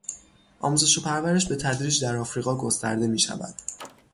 آموزش و پرورش به تدریج در افریقا گسترده میشود.